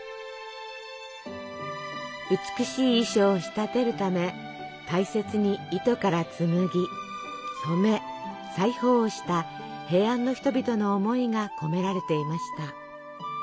美しい衣装を仕立てるため大切に糸から紡ぎ染め裁縫をした平安の人々の思いが込められていました。